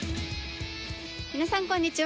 皆さんこんにちは。